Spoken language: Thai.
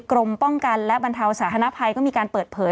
กรมป้องกันและบรรเทาสาธารณภัยก็มีการเปิดเผย